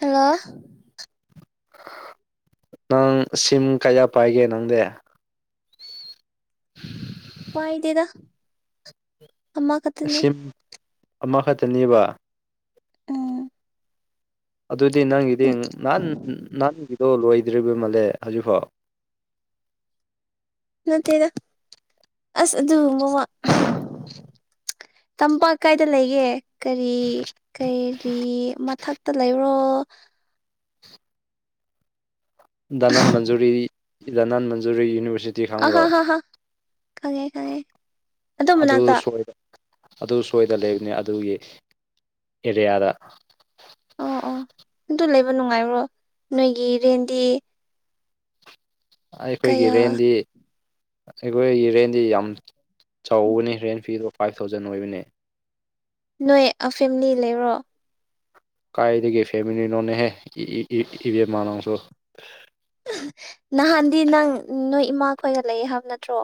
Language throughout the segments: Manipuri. ꯍꯂꯣ ꯅꯪ ꯁꯤꯝ ꯀꯌꯥ ꯄꯥꯏꯒꯦ ꯅꯪꯗꯤ ꯄꯗꯗ ꯑꯁꯤꯝ ꯑꯃꯈꯛꯇꯅꯦꯕ ꯎ ꯑꯗꯨꯗꯤ ꯅꯪꯒꯤꯗꯤ ꯅꯍꯥꯟ ꯅꯍꯥꯟꯒꯤꯗꯣ ꯂꯣꯏꯗ꯭ꯔꯤꯕ ꯃꯥꯜꯂꯦ ꯍꯧꯖꯤꯛꯐꯥꯎ ꯅꯠꯇꯦꯗ ꯑꯁ ꯑꯗꯨꯒꯨꯝꯕ ꯋꯥ ꯇꯝꯄꯥꯛ ꯀꯥꯏꯗ ꯂꯩꯒꯦ ꯀꯔꯤ ꯀꯔꯤ ꯃꯊꯛꯇ ꯂꯩꯔꯣ ꯙꯅꯟ ꯃꯟꯖꯨꯔꯤ ꯙꯅꯟ ꯃꯟꯖꯨꯔꯤ ꯌꯨꯅꯤꯚꯔꯁꯤꯇꯤ ꯑꯍ ꯈꯪꯕ꯭ꯔꯣ ꯍꯥ ꯍꯥ ꯈꯪꯉꯦ ꯈꯪꯉꯦ ꯑꯗꯨ ꯁꯨꯝ ꯑꯗꯨ ꯁꯣꯏꯗꯅ ꯂꯩꯕꯅꯤ ꯑꯗꯨꯒꯤ ꯑꯦꯔꯤꯌꯥꯗ ꯑꯣ ꯑꯣ ꯑꯗꯨ ꯂꯩꯕ ꯅꯨꯡꯉꯥꯏꯕ꯭ꯔꯣ ꯅꯣꯏꯒꯤ ꯔꯦꯟꯗꯤ ꯑꯩꯈꯣꯏꯒꯤ ꯀꯌꯥ ꯔꯦꯟꯗꯤ ꯑꯩꯈꯣꯏꯒꯤ ꯔꯦꯟꯗꯤ ꯌꯥꯝ ꯆꯥꯎꯕꯅꯤ ꯔꯦꯟ ꯐꯤꯗꯨ ꯐꯥꯏꯚ ꯊꯥꯎꯖꯟ ꯑꯣꯏꯕꯅꯤ ꯅꯣꯏ ꯐꯦꯃꯤꯂꯤ ꯂꯩꯕ꯭ꯔꯣ ꯀꯥꯏꯗꯒꯤ ꯐꯦꯃꯤꯂꯤꯅꯣꯅꯦꯍꯦ ꯏ ꯏ ꯏ ꯏꯕꯦꯝꯃ ꯅꯪꯁꯨ ꯅꯍꯥꯟꯗꯤ ꯅꯪ ꯅꯣꯏ ꯏꯃꯥꯈꯣꯏꯒ ꯂꯩꯌꯦ ꯍꯥꯏꯕ ꯅꯠꯇ꯭ꯔꯣ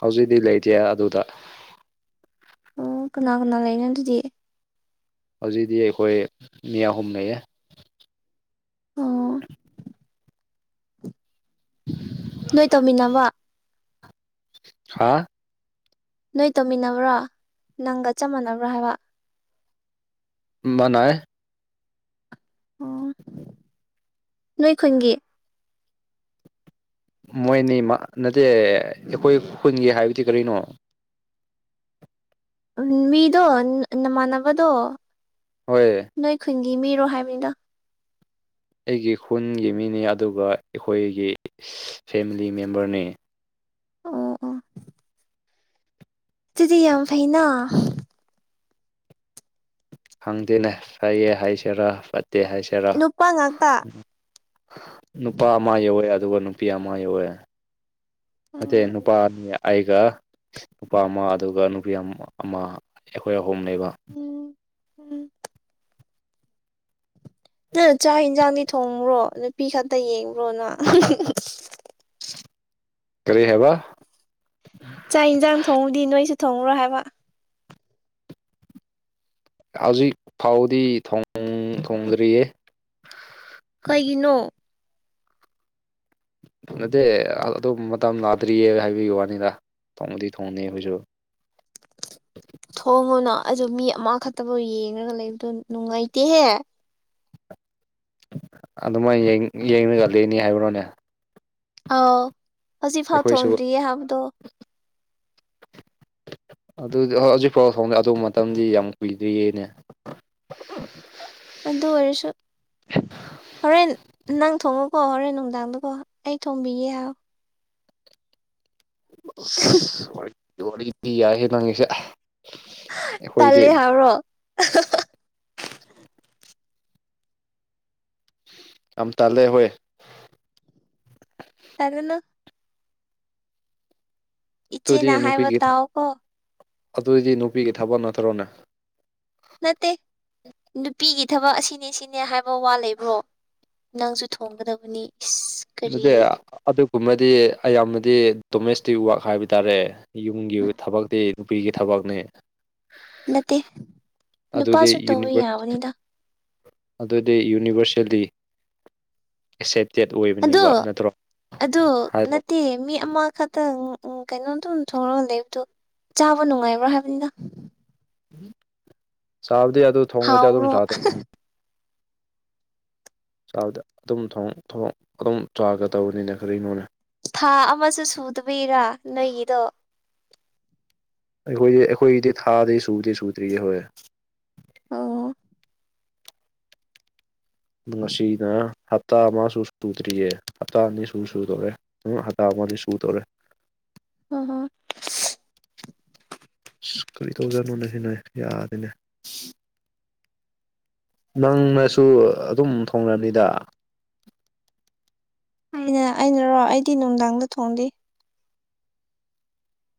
ꯍꯧꯖꯤꯛꯇꯤ ꯂꯩꯇꯦ ꯑꯗꯨꯗ ꯑꯣ ꯀꯅꯥ ꯀꯅꯥ ꯂꯩꯅꯣ ꯑꯗꯨꯗꯤ ꯍꯧꯖꯤꯛꯇꯤ ꯑꯩꯈꯣꯏ ꯃꯤ ꯑꯍꯨꯝ ꯂꯩꯌꯦ ꯑꯣ [unintelligible] [unintelligible] ꯅꯣꯏ ꯇꯧꯃꯤꯟꯅꯕ ꯍꯥꯥ ꯅꯣꯏ ꯇꯧꯃꯤꯟꯅꯕ꯭ꯔꯣ ꯅꯪꯒ ꯆꯞ ꯃꯥꯟꯅꯕ꯭ꯔꯣ ꯍꯥꯏꯕ ꯃꯥ ꯅꯩ ꯑꯣ [inaudible] [inaudible] ꯅꯣꯏ ꯈꯨꯟꯒꯤ ꯃꯣꯏꯅꯤꯃꯛ ꯅꯠꯇꯦ ꯑꯩꯈꯣꯏ ꯈꯨꯟꯒꯤ ꯍꯥꯏꯕꯗꯤ ꯀꯔꯤꯅꯣ ꯃꯤꯗꯣ ꯅꯃꯥꯟꯅꯕꯗꯣ ꯍꯣꯏ ꯅꯣꯏ ꯈꯨꯟꯒꯤ ꯃꯤꯔꯣ ꯍꯥꯏꯕꯅꯤꯗ ꯑꯩꯒꯤ ꯈꯨꯟꯒꯤ ꯃꯤꯅꯤ ꯑꯗꯨꯒ ꯑꯩꯈꯣꯏꯒꯤ ꯐꯦꯃꯤꯂꯤ ꯃꯦꯝꯕꯔꯅꯦ ꯑꯣ ꯑꯣ ꯑꯗꯨꯗꯤ ꯌꯥꯝ ꯐꯩꯩꯅ ꯈꯪꯗꯦꯅꯦ ꯐꯩꯌꯦ ꯍꯥꯏꯁꯤꯔꯥ ꯐꯠꯇꯦ ꯍꯥꯏꯁꯤꯔꯥ ꯅꯨꯄꯥ ꯉꯥꯛꯇ ꯅꯨꯄꯥ ꯑꯃ ꯌꯧꯋꯦ ꯑꯗꯨꯒ ꯅꯨꯄꯤ ꯑꯃ ꯌꯧꯋꯦ ꯅꯠꯇꯦ ꯎꯝ ꯅꯨꯄꯥꯅꯤ ꯑꯩꯒ ꯅꯨꯄꯥ ꯑꯃ ꯑꯗꯨꯒ ꯅꯨꯄꯤ ꯑꯃ ꯑꯩꯈꯣꯏ ꯑꯍꯨꯝ ꯂꯩꯕ ꯎꯝ ꯎꯝ ꯅꯪ ꯆꯥꯛ ꯌꯦꯟꯁꯥꯡꯗꯤ ꯊꯣꯡꯕ꯭ꯔꯣ ꯅꯨꯄꯤ ꯈꯛꯇ ꯌꯦꯡꯕ꯭ꯔꯣ ꯅꯪ ꯀꯔꯤ ꯍꯥꯏꯕ ꯆꯥꯛ ꯌꯦꯟꯁꯥꯡ ꯊꯣꯡꯕꯗꯤ ꯅꯣꯏꯁꯨ ꯊꯣꯡꯕ꯭ꯔꯣ ꯍꯥꯏꯕ ꯍꯧꯖꯤꯛ ꯐꯥꯎꯗꯤ ꯊꯣꯡꯗ꯭ꯔꯤꯌꯦ ꯀꯩꯒꯤꯅꯣ ꯑꯗꯨ ꯅꯠꯇꯦ ꯑꯗꯨ ꯃꯇꯝ ꯂꯥꯛꯗ꯭ꯔꯤꯌꯦ ꯍꯥꯏꯕꯒꯤ ꯋꯥꯅꯤꯗ ꯊꯣꯡꯕꯗꯤ ꯊꯣꯡꯅꯤ ꯑꯩꯈꯣꯏꯁꯨ ꯊꯣꯡꯉꯨꯅ ꯑꯗꯨ ꯃꯤ ꯑꯃꯈꯛꯇꯐꯥꯎ ꯌꯦꯡꯉꯒ ꯂꯩꯕꯗꯣ ꯅꯨꯡꯉꯥꯏꯇꯦꯍꯦ ꯑꯗꯨꯃꯥꯏꯅ ꯌꯦꯡꯉꯒ ꯂꯩꯅꯤ ꯍꯥꯏꯕ꯭ꯔꯣꯅꯦ ꯑꯥꯎ ꯑꯁꯤꯐꯥꯎ ꯑꯩꯈꯣꯏꯁꯨ ꯊꯣꯡꯗ꯭ꯔꯤꯌꯦ ꯍꯥꯏꯕꯗꯣ ꯑꯗꯨꯗꯤ ꯍꯣꯏ ꯍꯧꯖꯤꯛꯐꯥꯎ ꯊꯣꯡꯗꯦ ꯑꯗꯨ ꯃꯇꯝꯗꯤ ꯌꯥꯝ ꯀꯨꯏꯗ꯭ꯔꯤꯌꯦꯅꯦ ꯑꯗꯨ ꯑꯣꯏꯔꯁꯨ ꯍꯣꯔꯦꯟ ꯅꯪ ꯊꯣꯡꯉꯣꯀꯣ ꯍꯣꯔꯦꯟ ꯅꯨꯡꯗꯥꯡꯗꯀꯣ ꯑꯩ ꯊꯣꯡꯝꯕꯤꯒꯦ ꯍꯥꯏꯌꯨ ꯋꯥꯔꯤꯗꯤ ꯌꯥꯢꯍꯦ ꯅꯪꯒꯤꯁꯦ ꯇꯜꯂꯤ ꯑꯩꯈꯣꯏꯗꯤ ꯍꯥꯏꯕ꯭ꯔꯣ ꯌꯥꯝ ꯇꯥꯜꯂꯦ ꯍꯣꯏ ꯇꯜꯂꯨꯅꯨ ꯗꯨꯗꯤ ꯏꯆꯦꯅ ꯍꯥꯏꯕ ꯅꯨꯄꯤꯒꯤ ꯇꯥꯎꯀꯣ ꯑꯗꯨꯗꯤ ꯅꯨꯄꯤꯒꯤ ꯊꯕꯛ ꯅꯠꯇꯔꯣꯅꯦ ꯅꯠꯇꯦ ꯅꯨꯄꯤꯒꯤ ꯊꯕꯛ ꯑꯁꯤꯅꯤ ꯁꯤꯅꯦ ꯍꯥꯏꯕ ꯋꯥ ꯂꯩꯕ꯭ꯔꯣ ꯅꯪꯁꯨ ꯊꯣꯡꯒꯗꯕꯅꯤ ꯏꯁ ꯀꯔꯤ ꯑꯗꯨꯗꯤ ꯑꯗꯨꯒꯨꯝꯕꯗꯤ ꯑꯌꯥꯝꯕꯗꯤ ꯗꯣꯃꯦꯁꯇꯤꯛ ꯋꯥꯛ ꯍꯥꯏꯕ ꯇꯥꯔꯦ ꯌꯨꯝꯒꯤ ꯑꯣꯏꯕ ꯊꯕꯛꯇꯤ ꯅꯨꯄꯤꯒꯤ ꯊꯕꯛꯅꯦ ꯅꯠꯇꯦ ꯑꯗꯨꯗꯤ ꯅꯨꯄꯥꯁꯨ ꯇꯧꯕ ꯌꯨꯅꯤꯚꯔ ꯌꯥꯕꯅꯤꯗ ꯑꯗꯨꯗꯤ ꯌꯨꯅꯤꯕꯔꯁꯦꯜꯂꯤ ꯑꯦꯛꯁꯦꯞꯇꯦꯠ ꯑꯣꯏꯕ ꯑꯗꯨ ꯑꯗꯨ ꯅꯠꯇꯦ ꯃꯤ ꯑꯃ ꯈꯛꯇꯪ ꯎꯝ ꯀꯩꯅꯣꯝꯗꯨꯝ ꯊꯣꯡꯉꯒ ꯂꯩꯕꯗꯣ ꯆꯥꯕ ꯅꯨꯡꯉꯥꯏꯕ꯭ꯔꯥ ꯍꯥꯏꯕꯅꯤꯗ ꯆꯥꯕꯗꯤ ꯑꯗꯨ ꯊꯣꯡꯉꯩꯗ ꯑꯗꯨꯝ ꯍꯥꯎꯕ꯭ꯔꯣ ꯆꯥꯗꯣꯏꯅꯤ ꯎꯝ [unintelligible] ꯊꯥ ꯑꯃꯁꯨ ꯁꯨꯗꯕꯤꯔꯥ ꯅꯣꯏꯒꯤꯗꯣ ꯑꯩꯈꯣꯏꯗꯤ ꯑꯩꯈꯣꯏꯒꯤꯗꯤ ꯊꯥꯗꯤ ꯁꯨꯗꯦ ꯁꯨꯗ꯭ꯔꯤꯌꯦ ꯍꯣꯏ ꯑꯣ ꯑꯗꯨ ꯉꯁꯤꯒ ꯍꯞꯇꯥ ꯑꯃꯁꯨ ꯁꯨꯗ꯭ꯔꯤꯌꯦ ꯍꯞꯇꯥ ꯑꯅꯤ ꯁꯨ ꯁꯨꯗꯣꯔꯦ ꯑꯨꯡ ꯍꯞꯇꯥ ꯑꯃꯗꯤ ꯁꯨꯗꯧꯔꯦ [unintelligible] ꯏꯁ ꯀꯔꯤ ꯇꯧꯖꯅꯣꯅꯦꯍꯦꯅꯦ ꯌꯥꯗꯦꯅꯦ ꯅꯪꯅꯁꯨ ꯑꯗꯨꯝ ꯊꯣꯡꯔꯝꯅꯤꯗ ꯑꯩꯅ ꯑꯩꯅꯔꯣ ꯑꯩꯗꯤ ꯅꯨꯡꯗꯥꯡꯗ ꯊꯣꯡꯗꯦ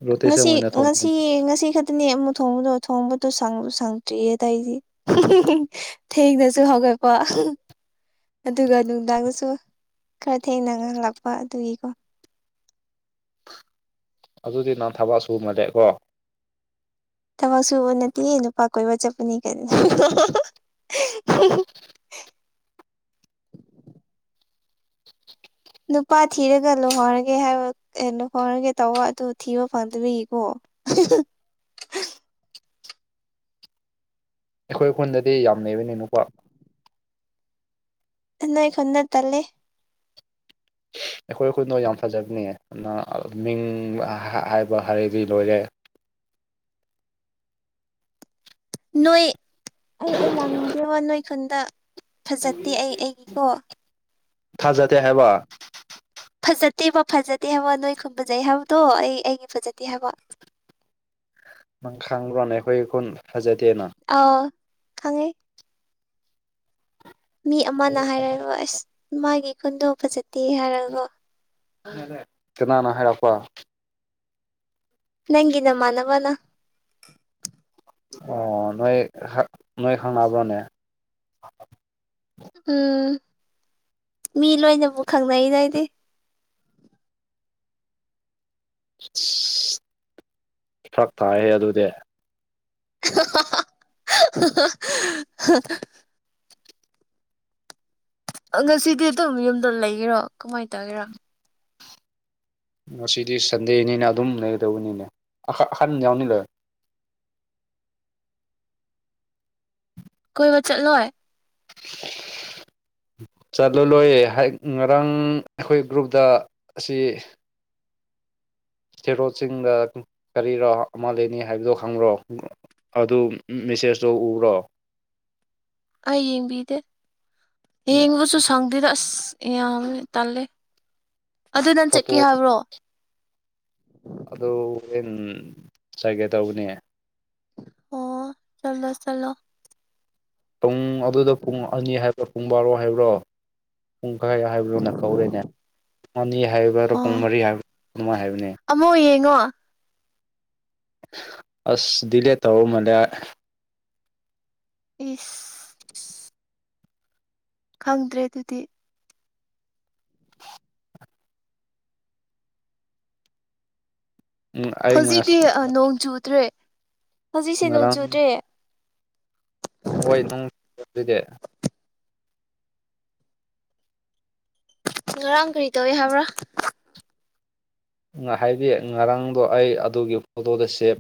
ꯔꯣꯇꯦꯁꯟ ꯉꯁꯤ ꯑꯣꯏꯅ ꯊꯣꯡꯕ ꯉꯁꯤ ꯉꯁꯤ ꯈꯠ ꯇꯅꯦ ꯑꯃꯨꯛ ꯊꯣꯡꯕꯗꯣ ꯊꯣꯡꯕꯗꯣ ꯁꯪ ꯁꯪꯇ꯭ꯔꯤꯌꯦ ꯑꯇꯩꯗꯤ ꯊꯦꯡꯅꯁꯨ ꯍꯧꯒꯠꯄ ꯑꯗꯨꯒ ꯅꯨꯡꯗꯥꯡꯗꯁꯨ ꯈꯔ ꯊꯦꯡꯅꯥꯉ ꯍꯜꯂꯛꯄ ꯑꯗꯨꯒꯤꯀꯣ ꯑꯗꯨꯗꯤ ꯅꯪ ꯊꯕꯛ ꯁꯨꯃꯗꯦꯀꯣ ꯊꯕꯛ ꯁꯨꯕ ꯅꯠꯇꯤꯌꯦ ꯅꯨꯄꯥ ꯀꯣꯏꯕ ꯆꯠꯄꯅꯤ ꯀꯩꯅꯣ ꯅꯨꯄꯥ ꯊꯤꯔꯒ ꯂꯨꯍꯧꯔꯒꯦ ꯍꯥꯏꯕ ꯑꯦ ꯂꯨꯍꯧꯔꯒꯦ ꯇꯧꯕ ꯑꯗꯨ ꯊꯤꯕ ꯐꯪꯗ꯭ꯔꯤꯀꯣ [unintelligible] ꯑꯩꯈꯣꯏ ꯈꯨꯟꯗꯗꯤ ꯌꯥꯝ ꯂꯩꯕꯅꯦ ꯅꯨꯄꯥ ꯑꯦ ꯅꯣꯏ ꯈꯨꯟꯗ ꯇꯜꯂꯦ ꯑꯩꯈꯣꯏ ꯈꯨꯟꯗꯣ ꯌꯥꯝ ꯐꯖꯕꯅꯦ ꯑꯗꯨꯅ ꯃꯤꯡ ꯍꯥꯏꯕ ꯍꯥꯏꯔꯗꯤ ꯂꯣꯏꯔꯦ ꯅꯣꯏ ꯑꯩ ꯑꯩ ꯂꯥꯛꯅꯤꯡꯗꯦꯕ ꯅꯣꯏ ꯈꯨꯟꯗ ꯐꯖꯠꯇꯦ ꯑꯩ ꯑꯩꯒꯤꯀꯣ ꯊꯥꯖꯗꯦ ꯍꯥꯏꯕ ꯐꯖꯠꯇꯦꯕ ꯐꯖꯗꯦ ꯍꯥꯏꯕ ꯅꯣꯏ ꯈꯨꯝ ꯐꯖꯩ ꯍꯥꯏꯕꯗꯣ ꯑꯩ ꯑꯩꯒꯤ ꯐꯖꯗꯦ ꯍꯥꯏꯕ ꯅꯪ ꯈꯪꯕ꯭ꯥꯔꯅꯦ ꯑꯩꯈꯣꯏꯒꯤ ꯈꯨꯨꯟ ꯐꯖꯗꯦꯅ ꯑꯧ ꯈꯪꯉꯦ ꯃꯤ ꯑꯃꯅ ꯍꯥꯏꯔꯔꯣꯏ ꯑꯁ ꯃꯥꯒꯤ ꯈꯨꯟꯗꯣ ꯐꯖꯗꯦ ꯍꯥꯏꯔꯒ ꯀꯣ ꯀꯅꯥꯅ ꯍꯥꯏꯔꯛꯄ ꯅꯪꯒꯤ ꯅꯃꯥꯟꯅꯕꯅ ꯑꯣ ꯅꯣꯏ ꯈꯛ ꯅꯣꯏ ꯈꯪꯅꯕ꯭ꯔꯣꯅꯦ ꯎꯝ ꯃꯤ ꯂꯣꯏꯅꯕꯨ ꯈꯪꯅꯩꯗ ꯑꯩꯗꯤ ꯐꯔꯛ ꯇꯥꯏꯍꯦ ꯑꯗꯨꯗꯤ [unintelligible] ꯑ ꯉꯁꯤꯗꯤ ꯑꯗꯨꯝ ꯌꯨꯝꯗ ꯂꯩꯒꯦꯔꯣ ꯀꯃꯥꯏꯟ ꯇꯧꯒꯦꯔꯣ ꯉꯁꯤꯗꯤ ꯁꯟꯗꯦꯅꯤꯅ ꯑꯗꯨꯝ ꯂꯩꯒꯗꯧꯕꯅꯤꯅꯦ ꯑꯍꯛ ꯑꯍꯟ ꯌꯥꯎꯅꯤꯂꯣꯏ ꯀꯣꯏꯕ ꯆꯠꯂꯣꯏ [inaudible] ꯆꯠꯂꯨ ꯂꯣꯏꯌꯦ ꯉꯔꯥꯡ ꯑꯩꯈꯣꯏ ꯒ꯭ꯔꯨꯞꯇ ꯑꯁꯤ ꯁꯦꯔꯣꯠꯁꯤꯡꯗ ꯀꯔꯤꯔꯣ ꯑꯃ ꯂꯩꯅꯤ ꯍꯥꯏꯕꯗꯣ ꯈꯪꯕ꯭ꯔꯣ ꯑꯗꯨ ꯃꯦꯁꯦꯖꯇꯣ ꯎ꯭ꯔꯣ ꯑꯩ ꯌꯦꯡꯕꯤꯗꯦ ꯌꯦꯡꯕꯁꯨ ꯁꯪ ꯑꯗꯨꯗꯣ ꯑꯁ ꯌꯥꯝ ꯇꯥꯜꯂꯦ ꯑꯗꯨ ꯅꯪ ꯆꯠꯀꯦ ꯐꯣꯇꯣ ꯍꯥꯏꯕ꯭ꯔꯣ ꯑꯗꯨ ꯍꯣꯔꯦꯟ ꯆꯒꯦ ꯇꯧꯕꯅꯦ ꯑꯣ ꯆꯠꯂꯣ ꯆꯂꯣ ꯄꯨꯡ ꯑꯗꯨꯗ ꯄꯨꯡ ꯑꯅꯤ ꯍꯥꯏꯕ꯭ꯔꯣ ꯄꯨꯡ ꯕꯥꯔꯣ ꯍꯥꯏꯕ꯭ꯔꯣ ꯄꯨꯡꯈꯥꯏ ꯍꯥꯏꯕꯗꯨꯣꯅ ꯀꯧꯔꯦꯅꯦ ꯃꯅꯤ ꯍꯥꯏꯕ ꯀꯣꯡ ꯃꯔꯤ ꯍꯥꯏꯕꯥꯏ ꯍꯥꯏꯕꯅꯦ ꯑꯃꯛ ꯌꯦꯡꯉꯣ ꯑꯁ ꯂ ꯇ ꯑꯣ ꯃꯂ ꯏꯁ [inaudible] ꯈꯪꯗ꯭ꯔꯦ ꯑꯗꯨꯗꯤ ꯎꯝ ꯑꯩ ꯍꯧꯖꯤꯛꯇꯤ ꯅꯣꯡ ꯆꯨꯗ꯭ꯔꯦ ꯍꯧꯖꯤꯛꯁꯦ ꯅꯣꯡ ꯉꯔꯥꯡ ꯆꯨꯗ꯭ꯔꯦ ꯍꯣꯏ ꯅꯪ ꯑꯗꯨꯗꯤ ꯉꯔꯥꯡ ꯀꯔꯤ ꯇꯧꯏ ꯍꯥꯏꯕ꯭ꯔꯥ ꯉ ꯍꯥꯏꯗꯤ ꯉꯔꯥꯡꯗꯣ ꯑꯩ ꯑꯗꯨꯒꯤ ꯐꯣꯇꯣꯗ ꯁꯦꯞ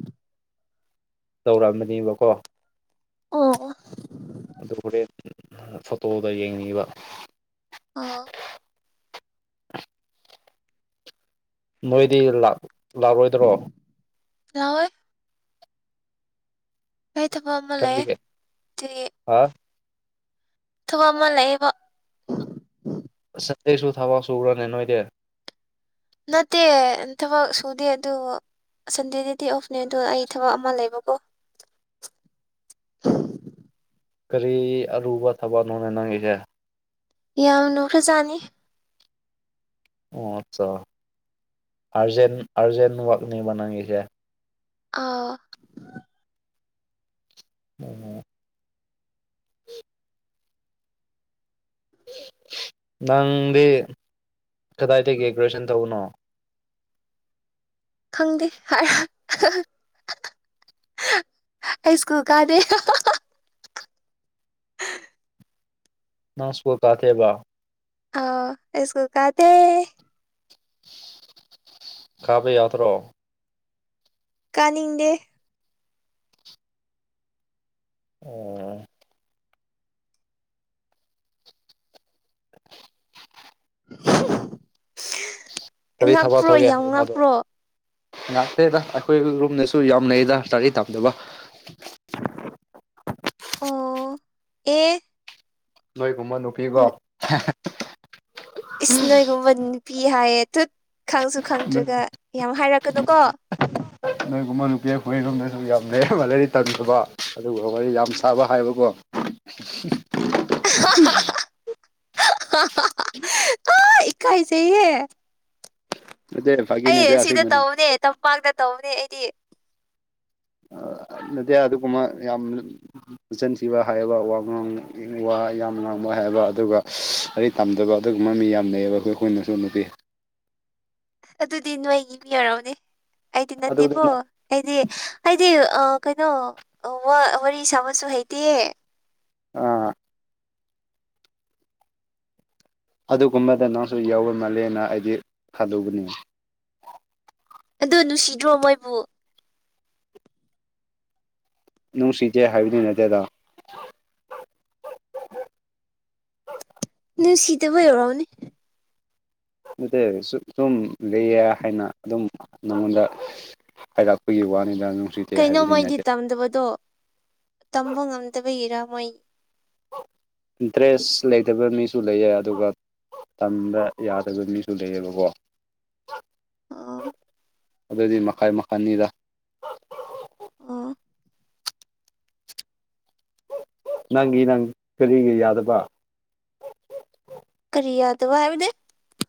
ꯇꯧꯔꯛꯑꯝꯕꯅꯦꯕꯀꯣ ꯑꯣ ꯑꯗꯨꯕꯨꯣꯔꯦꯟ ꯐꯣꯇꯣꯗ ꯌꯦꯡꯅꯤꯡꯕ ꯑꯥ ꯅꯣꯏꯗꯤ ꯂꯥꯛꯑꯣꯣꯏꯗ꯭ꯔꯣ ꯍꯣꯏ ꯀꯩ ꯇꯃꯣ ꯑꯃ ꯂꯩ ꯀꯔꯤꯒꯤ ꯇ ꯍꯥ ꯊꯕ ꯑꯃ ꯂꯩꯕ ꯁꯟꯗꯦꯁꯨ ꯊꯕꯛ ꯁꯎꯔꯅꯦ ꯅꯣꯏꯗꯤ ꯅꯠꯇꯦ ꯊꯕꯛ ꯁꯨꯗꯦ ꯑꯗꯨ ꯁꯟꯗꯦꯗꯗꯤ ꯑꯣꯐꯅꯦꯗꯣ ꯑꯩ ꯊꯕꯛ ꯑꯃ ꯂꯩꯕꯀꯣ ꯀꯔꯤ ꯑꯔꯨꯕ ꯊꯕꯛꯅꯣꯅꯦ ꯅꯪꯉꯏꯁꯦ ꯌꯥꯝ ꯅꯣꯛꯈ꯭ꯔꯖꯥꯅꯤ ꯑꯣ ꯑꯠꯆꯥ ꯑꯔꯖꯦꯟ ꯑꯔꯖꯦꯟ ꯛꯅꯤꯕꯅꯒꯦꯁꯦ ꯑ ꯑꯣ ꯍ ꯅꯪꯗꯤ ꯀꯗꯥꯏꯗꯒꯤ ꯒ꯭ꯔꯨꯦꯁꯟ ꯇꯧꯕꯅꯣ ꯈꯪꯗꯦ ꯍꯥꯏꯔ ꯑꯩ ꯁ꯭ꯀꯨꯜ ꯀꯥꯟꯗꯦ ꯅꯁꯕꯨꯣ ꯀꯥꯊꯦꯕ ꯑ ꯏꯁꯀꯨꯜ ꯀꯥꯗ ꯀꯥꯕꯩ ꯌꯥꯠꯇ꯭ꯔꯣ ꯀꯥꯅꯤꯡꯗꯦ ꯑꯣ ꯀꯔꯤ ꯊꯕ ꯉꯛꯄ꯭ꯔꯣ ꯊꯣꯛꯒꯦ ꯌꯥꯝ ꯍꯥꯏꯕꯅꯣꯗꯣ ꯉꯛꯄ꯭ꯔꯣ ꯉꯥꯛꯇꯦꯗ ꯑꯩꯈꯣꯏ ꯔꯨꯝꯗꯁꯨ ꯌꯥꯝ ꯂꯩꯩꯗ ꯂꯥꯔꯤ ꯇꯥꯗꯕ ꯑꯣ ꯑꯦ ꯅꯣꯏꯒꯨꯝꯕ ꯅꯨꯄꯤꯀꯣ ꯏꯁ ꯅꯣꯏꯒꯨꯝꯕ ꯅꯨꯄꯤ ꯍꯥꯏꯌꯦ ꯊꯨꯠ ꯈꯪꯁꯨ ꯅꯣꯏ ꯈꯪꯗ꯭ꯔꯒ ꯌꯥꯝ ꯍꯥꯏꯔꯛꯀꯗꯣ ꯀꯣ [inaudible] ꯅꯣꯏꯒꯨꯝꯕ ꯅꯨꯄꯤ ꯑꯩꯈꯣꯏꯔꯣꯝꯗꯁꯨ ꯌꯥꯝ ꯂꯩꯕ ꯂꯩꯥꯏꯔꯤ ꯇꯟꯗꯕ ꯑꯗꯨꯒ ꯋꯥꯔꯤꯣꯏ ꯌꯥꯝ ꯁꯥꯕ ꯍꯥꯏꯕꯀꯣ [inaudible] [unintelligible] ꯑ ꯏꯀꯥꯏꯁꯌꯦ꯫ ꯅꯠꯇꯦ ꯐꯥꯒꯤ ꯅꯠꯇꯦ ꯑꯩ ꯁꯤꯗ ꯑꯁꯦꯡꯕꯅꯤ ꯇꯧꯅꯦ ꯇꯝꯄꯥꯛꯇ ꯇꯧꯅꯦ ꯑꯩꯗꯤ꯫ ꯅꯗꯤ ꯑꯗꯨꯒꯨꯝꯕ ꯌꯥꯝ ꯆꯟꯁꯤꯟꯈꯤꯕ ꯍꯥꯏꯕ ꯋꯥ ꯉꯥꯡ ꯋꯥ ꯌꯥꯝ ꯉꯥꯡꯕ ꯍꯥꯏꯕ ꯑꯗꯨꯒ ꯇꯝꯗꯕ ꯑꯗꯨꯒꯨꯝꯕ ꯃꯤ ꯌꯥꯝ ꯂꯩꯌꯦꯕ ꯑꯩꯈꯣꯏ ꯑꯩꯈꯣꯏꯅꯁꯨ ꯅꯨꯄꯤ꯫ ꯑꯗꯨꯗꯤ ꯅꯣꯏꯒꯤ ꯃꯤ ꯌꯔꯛꯎꯅꯦ ꯑꯩꯗꯤ ꯅꯠꯇꯦꯀꯣ꯫ ꯑꯗꯨꯗꯨꯅ ꯑꯩꯗꯤ ꯍꯥꯏꯗꯤ ꯀꯩꯅꯣ ꯋꯥꯔꯤ ꯁꯥꯕꯁꯨ ꯍꯩꯇꯦ꯫ ꯑꯥ ꯑꯗꯨꯒꯨꯝꯕꯗ ꯅꯪꯁꯨ ꯌꯥꯎꯕ ꯃꯥꯜꯂꯦꯅ ꯑꯩꯗꯤ ꯊꯥꯗꯧꯕꯅꯦ꯫ ꯑ ꯅꯨꯡꯁꯤꯗ꯭ꯔꯣ ꯃꯣꯏꯕꯨ ꯅꯨꯡꯁꯤꯇꯦ ꯍꯥꯏꯕꯗꯤ ꯅꯠꯇꯦꯗ ꯅꯨꯡꯁꯤꯇꯕꯨꯣ ꯍꯧꯎꯔꯥꯎꯅꯤ꯫ ꯑꯗꯨ ꯁꯨꯝ ꯂꯩꯌꯦ ꯍꯥꯏꯅ ꯑꯗꯨꯝ ꯅꯉꯣꯟꯗ ꯍꯥꯏꯔꯥꯛꯄꯒꯤ ꯋꯥꯅꯤꯗ ꯅꯨꯡꯁꯤꯠ ꯀꯩꯅꯣ ꯃꯣꯏꯗꯤ ꯇꯝꯗꯕꯗꯣ ꯇꯝꯕ ꯉꯝꯗꯕꯒꯤꯔꯥ ꯃꯣꯏ ꯟ ꯗ꯭ꯔꯦꯁ ꯂꯩꯇꯕ ꯃꯤꯁꯨ ꯂꯩꯌꯦ ꯑꯗꯨꯒ ꯇꯝꯕ ꯌꯥꯗꯕ ꯃꯤꯁꯨ ꯂꯩꯌꯦꯕꯀꯣ ꯑꯣ ꯑꯗꯨꯑꯣꯏꯗꯤ ꯃꯈꯥꯏ ꯃꯈꯜꯅꯤꯗ ꯑꯣ ꯅꯪꯒꯤ ꯅꯪ ꯀꯔꯤꯒꯤ ꯌꯥꯗꯕ ꯀꯔꯤ ꯌꯥꯗꯕ ꯍꯥꯏꯕꯗꯤ꯫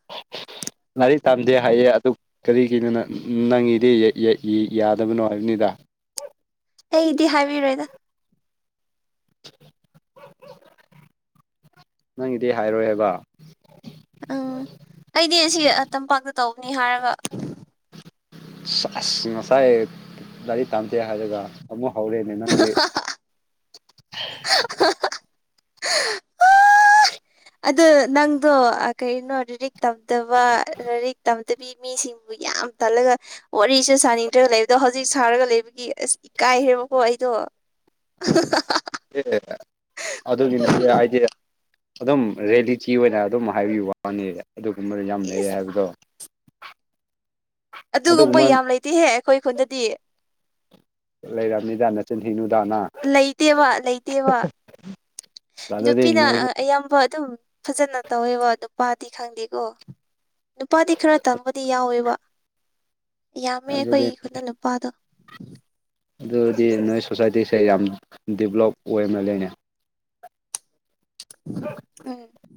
[inaudible] ꯥꯂꯥꯏꯔꯤꯛ ꯇꯝꯗꯦ ꯍꯥꯏꯌꯦ ꯑꯗꯨ ꯀꯔꯤꯒꯤꯅꯣ ꯅꯪ ꯅꯪꯏꯗꯤ ꯌꯥꯗꯕꯅꯣ ꯍꯥꯏꯕꯅꯤꯗ ꯑꯩꯗꯤ ꯍꯥꯏꯕꯤꯔꯣꯏꯗ ꯅꯪꯒꯤꯗꯤ ꯍꯥꯏꯔꯣꯏ ꯍꯥꯏꯕ ꯎꯝ ꯑꯩꯗꯤ ꯁꯤ ꯇꯝꯄꯥꯛꯇ ꯇꯧꯕꯅꯤ ꯍꯥꯏꯔꯒ ꯑꯁ ꯉꯁꯥꯏ ꯒꯥꯔꯤ ꯇꯥꯟꯝꯗꯦ ꯍꯥꯏꯔꯒ ꯑꯃꯨꯛ ꯍꯧꯔꯦꯅꯦ ꯅꯪꯒꯤ꯫ [unintelligible] ꯑꯗ ꯅꯪꯗꯣ ꯀꯩꯅꯣ ꯂꯥꯏꯔꯤꯛ ꯇꯧꯗꯕ ꯂꯥꯏꯔꯤꯛ ꯇꯧꯗꯕꯤ ꯃꯤꯁꯤꯡꯕꯨ ꯌꯥꯝ ꯇꯜꯂꯒ ꯋꯥꯔꯤꯁꯦ ꯁꯥꯅꯤꯡꯗ꯭ꯔꯒ ꯂꯩꯕꯗꯣ ꯍꯧꯖꯤꯛ ꯁꯥꯔꯒ ꯂꯩꯕꯒꯤ ꯑꯁ ꯏꯀꯥꯏꯈ꯭ꯔꯦꯕꯀꯣ ꯑꯩꯗꯣ [unintelligible] ꯑꯗꯨꯒꯤ ꯅꯠꯇꯦ ꯍꯥꯏꯗꯤ ꯑꯗꯨꯝ ꯔꯔꯤꯌꯦꯂꯤꯇꯤ ꯑꯣꯏꯅ ꯑꯗꯨꯝ ꯍꯥꯏꯕꯤ ꯋꯥꯅꯤ ꯑꯗꯨꯒꯨꯝꯕꯗ ꯌꯥꯝ ꯂꯩ ꯏꯁ ꯍꯥꯏꯕꯗꯣ ꯑꯗꯨꯒꯨꯝꯕ ꯌꯥꯝ ꯂꯩꯇꯦꯍꯦ ꯑꯩꯈꯣꯏ ꯈꯨꯟꯗꯗꯤ ꯂꯩꯔꯝꯅꯤꯗ ꯅꯆꯤꯟ ꯊꯤꯅꯨꯗ ꯅꯪ ꯂꯩꯇꯦꯕ ꯂꯩꯇꯦꯕ ꯑꯗꯨꯗꯤ ꯅꯨꯄꯤꯅ ꯅꯣꯏ ꯑꯌꯥꯝꯕ ꯑꯗꯨꯝ ꯐꯖꯅ ꯇꯧꯋꯦꯕ ꯅꯨꯄꯥꯗꯤ ꯈꯪꯗꯦꯀꯣ ꯅꯨꯄꯥꯗꯤ ꯈꯔ ꯇꯕꯨꯗꯤ ꯌꯥꯎꯋꯦꯕ ꯌꯥꯝꯃꯦ ꯑꯗꯨꯗꯤ ꯑꯩꯈꯣꯏꯒꯤ ꯈꯨꯅ ꯅꯨꯄꯥꯗꯣ ꯑꯗꯨꯗꯤ ꯅꯣꯏ ꯁꯣꯁꯥꯏꯇꯤꯁꯦ ꯌꯥꯝ ꯗꯤꯕꯂꯞ ꯑꯣꯏꯅ ꯂꯩꯅꯦ꯫ [unintelligible]